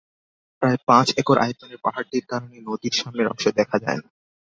প্রায় পাঁচ একর আয়তনের পাহাড়টির কারণে নদীর সামনের অংশ দেখা যায় না।